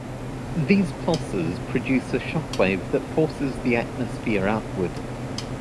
These pulses produce a shockwave that forces the atmosphere outward.